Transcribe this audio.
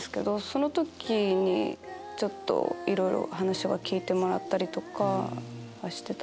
その時にいろいろ話は聞いてもらったりとかはしてた。